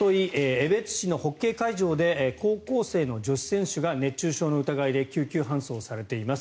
江別市のホッケー会場で高校生の女子選手が熱中症の疑いで救急搬送されています。